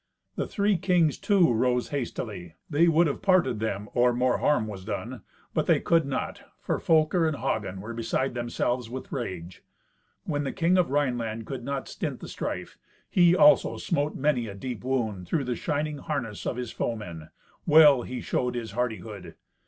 The three kings, too, rose hastily. They would have parted them or more harm was done. But they could not, for Folker and Hagen were beside themselves with rage. When the King of Rhineland could not stint the strife, he, also, smote many a deep wound through the shining harness of his foemen. Well he showed his hardihood.